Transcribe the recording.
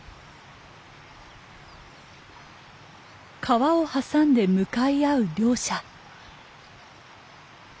川を挟んで向かい合う両者。